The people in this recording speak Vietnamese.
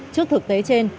trước thực tế trên